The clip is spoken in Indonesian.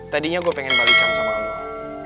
tadinya gue pengen balikan sama allah